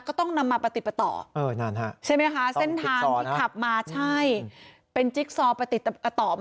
ก็ต้องนำมาปฏิติประต่อ